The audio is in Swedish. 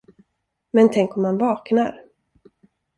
Men tänk om han vaknar!